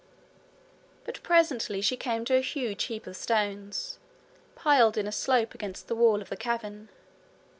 But presently she came to a huge heap of stones, piled in a slope against the wall of the cavern.